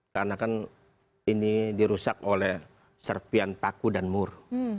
karena kan ini dirusak oleh serpian paku dan mur